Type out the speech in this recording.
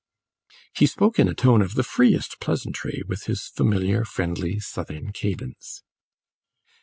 He spoke in a tone of the freest pleasantry, with his familiar, friendly Southern cadence.